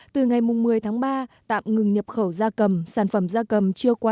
từ ngày một mươi tháng ba tạm ngừng nhập khẩu da cầm sản phẩm da cầm